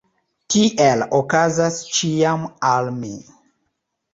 Tiel okazas ĉiam al mi.